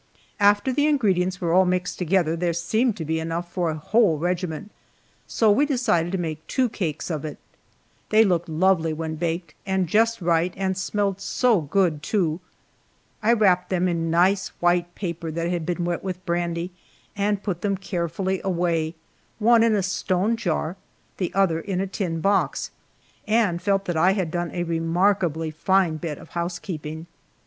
After the ingredients were all mixed together there seemed to be enough for a whole regiment, so we decided to make two cakes of it. They looked lovely when baked, and just right, and smelled so good, too! I wrapped them in nice white paper that had been wet with brandy, and put them carefully away one in a stone jar, the other in a tin box and felt that I had done a remarkably fine bit of housekeeping.